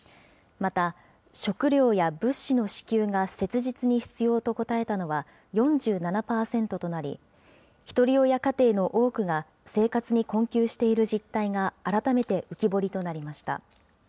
また食料や物資の支給が切実に必要と答えたのは４７％となり、ひとり親家庭の多くが生活に困窮している実態が改めて浮き彫りとなりました。